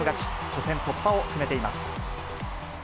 初戦突破を決めています。